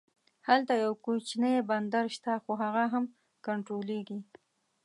هلته یو کوچنی بندر شته خو هغه هم کنټرولېږي.